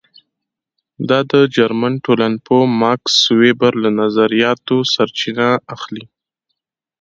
دا د جرمن ټولنپوه ماکس وېبر له نظریاتو سرچینه اخلي.